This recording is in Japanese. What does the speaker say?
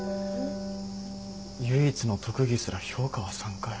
唯一の特技すら評価は「３」かよ。